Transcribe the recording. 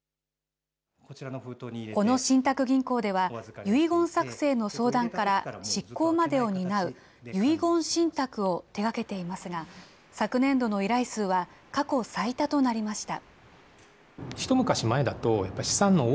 この信託銀行では、遺言作成の相談から執行までを担う遺言信託を手がけていますが、昨年度の依頼数は過去最多となりました。